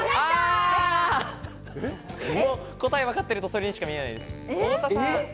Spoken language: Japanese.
答えわかってると、それにしか見えないです。